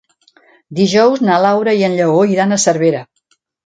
Dijous na Laura i en Lleó iran a Cervera.